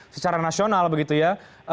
secara nasional begitu ya